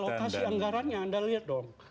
itu alokasi anggarannya anda lihat dong